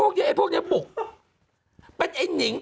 กันแบบถึงนี่เอง